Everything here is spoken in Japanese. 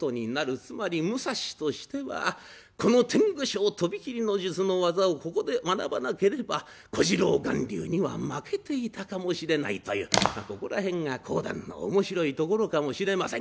つまり武蔵としてはこの天狗昇飛び斬りの術の技をここで学ばなければ小次郎巌流には負けていたかもしれないというここら辺が講談の面白いところかもしれません。